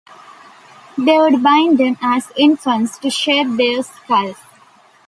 They would bind them as infants to shape their skulls.